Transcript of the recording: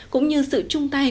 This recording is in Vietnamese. cũng như sự chung tay